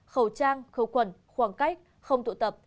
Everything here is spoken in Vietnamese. khẩu trang khẩu quẩn khoảng cách không tụ tập